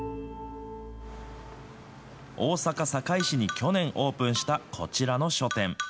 大阪、堺市に去年オープンしたこちらの書店。